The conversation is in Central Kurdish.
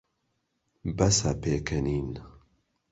بەسە پێکەنین.